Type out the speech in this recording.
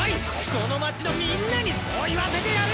この町のみんなにそう言わせてやる！